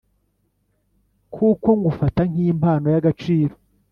kuko ngufata nkimpano yagaciro."